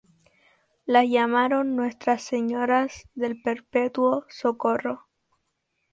Las llamaron "Nuestra Señora del Perpetuo Socorro".